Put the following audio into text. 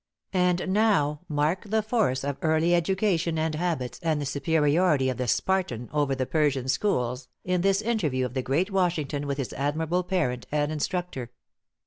And now, mark the force of early education and habits, and the superiority of the Spartan over the Persian schools, in this interview of the great Washington with his admirable parent and instructor.